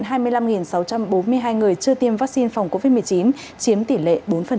trong đó một trăm bốn mươi hai người chưa tiêm vaccine phòng covid một mươi chín chiếm tỉ lệ bốn